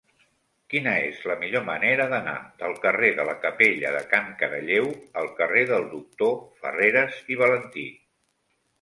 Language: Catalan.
Quina és la millor manera d'anar del carrer de la Capella de Can Caralleu al carrer del Doctor Farreras i Valentí?